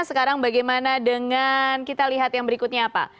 sekarang bagaimana dengan kita lihat yang berikutnya apa